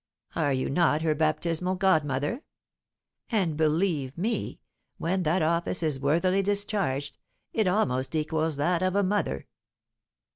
Are you not her baptismal godmother? And, believe me, when that office is worthily discharged, it almost equals that of a mother.